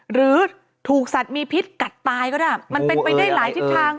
หรือถูกสัตว์มีพิษกัดตายก็ได้มันเป็นไปได้หลายทิศทาง